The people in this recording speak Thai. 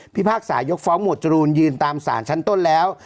พากษายกฟ้องหมวดจรูนยืนตามสารชั้นต้นแล้ว